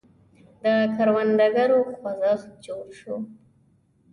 د کروندګرو خوځښت جوړ شو.